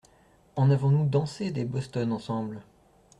En avons-nous dansé des bostons ensemble !